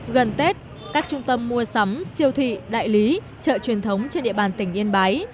gần tết các trung tâm mua sắm siêu thị đại lý chợ truyền thống trên địa bàn tỉnh yên bái